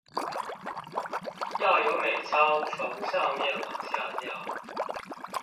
要有美鈔從上面往下掉